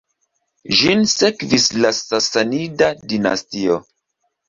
Ĝin sekvis la Sasanida dinastio.